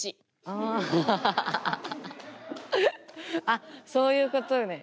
あっそういうことね。